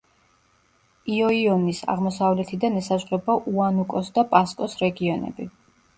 ოიონის აღმოსავლეთიდან ესაზღვრება უანუკოს და პასკოს რეგიონები.